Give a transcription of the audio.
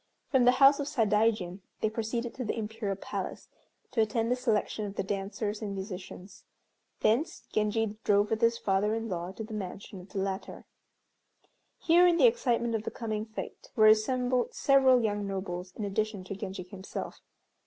From the house of Sadaijin they proceeded to the Imperial Palace to attend the selection of the dancers and musicians. Thence Genji drove with his father in law to the mansion of the latter. Here in the excitement of the coming fête were assembled several young nobles, in addition to Genji himself.